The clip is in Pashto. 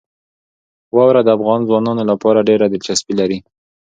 واوره د افغان ځوانانو لپاره ډېره دلچسپي لري.